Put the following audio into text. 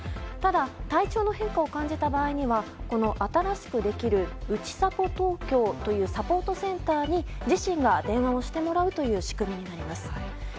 ただ、体調の変化を感じた場合には、新しくできるうちさぽ東京というサポートセンターに自身が電話をしてもらうという仕組みになります。